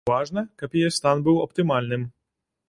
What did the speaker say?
Важна, каб яе стан быў аптымальным.